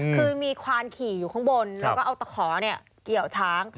คือมีควานขี่อยู่ข้างบนแล้วก็เอาตะขอเกี่ยวช้าง